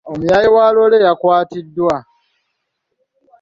Omuyaaye wa loole yakwatiddwa.